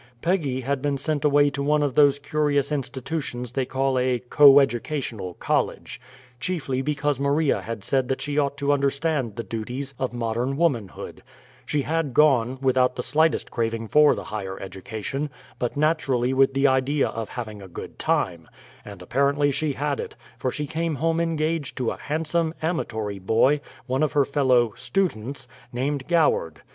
Peggy had been sent away to one of those curious institutions that they call a "coeducational college," chiefly because Maria had said that she ought to understand the duties of modern womanhood; she had gone, without the slightest craving for "the higher education," but naturally with the idea of having a "good time"; and apparently she had it, for she came home engaged to a handsome, amatory boy, one of her fellow "students," named Goward.